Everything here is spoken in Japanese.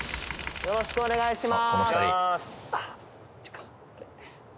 よろしくお願いします